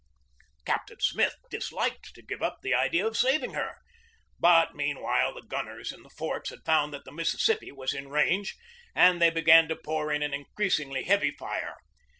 Captain Smith disliked to give up the idea of saving her. But, meanwhile, the gunners in the forts had found that the Mississippi was in range, and they began to pour in an increasingly heavy fire.